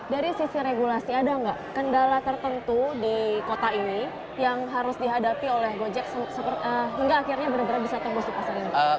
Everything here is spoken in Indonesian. dari sisi regulasi ada nggak kendala tertentu di kota ini yang harus dihadapi oleh gojek hingga akhirnya benar benar bisa tembus di pasar ini